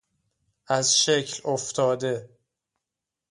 ازشکل افتاده